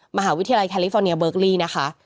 มหาวิทยาลัยแคลิฟอร์เนียเบิร์กลี่นะคะ